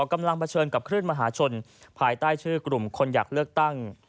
กำลังเผชิญกับคลื่นมหาชนภายใต้ชื่อกลุ่มคนอยากเลือกตั้ง